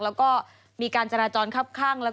แล้วก็มีการจราจรคับข้าง